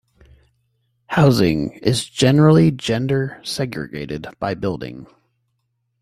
Housing is generally gender-segregated by building.